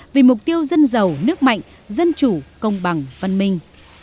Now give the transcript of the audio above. vì mục tiêu dân giàu nước mạnh dân chủ công bằng văn minh